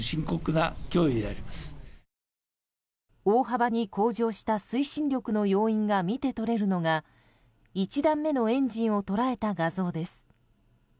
大幅に向上した推進力の要因が見てとれるのが１段目のエンジンを捉えた画像です。